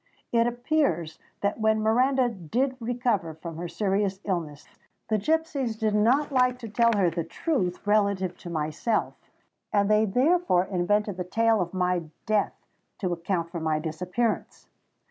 It appears that when Miranda did recover from her serious illness, the gipsies did not like to tell her the truth relative to myself; and they therefore invented the tale of my death to account for my disappearance.